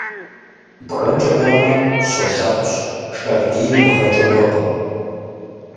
БгъэкӀэ уэмэ, щолэхъущ, шагъдийр бгъэкӀэ уэкъым.